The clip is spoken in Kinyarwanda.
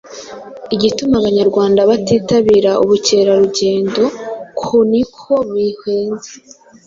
Igituma Abanyarwanda batitabira ubukerarugendo ku ni uko buhenze,